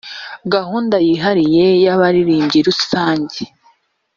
gahunda yihariye y’amarimbi rusange